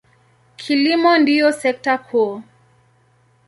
Kilimo ndiyo sekta kuu.